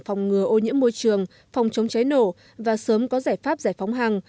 phòng ngừa ô nhiễm môi trường phòng chống cháy nổ và sớm có giải pháp giải phóng hàng